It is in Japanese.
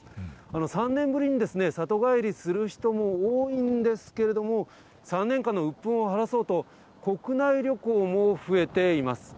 ３年ぶりに里帰りする人も多いんですけれども、３年間のうっぷんを晴らそうと、国内旅行も増えています。